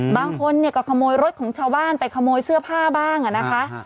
บางคนเนี่ยก็ขโมยรถของชาวบ้านไปขโมยเสื้อผ้าบ้างนะคะ